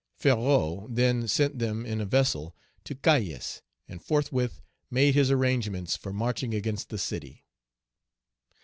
Ferrou then sent them in a vessel to Cayes, and forthwith made his arrangements for marching against the city.